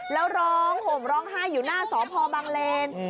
แล้วร้องห่มร้องไห้อยู่หน้าสพบังเลน